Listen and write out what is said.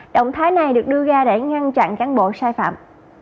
động thái này được đưa ra để ngăn chặn cán bộ sai phạm